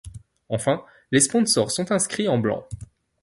Enfin, les sponsors sont inscris en blanc.